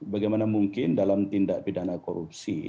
bagaimana mungkin dalam tindak pidana korupsi